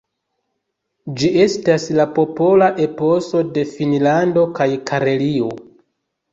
Ĝi estas la popola eposo de Finnlando kaj Karelio.